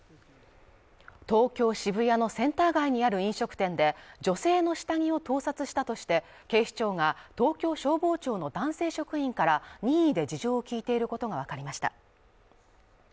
東京・渋谷のセンター街にある飲食店で女性の下着を盗撮したとして警視庁が東京消防庁の男性職員から任意で事情を聞いていることがわかりました。